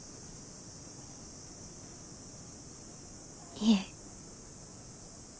いえ。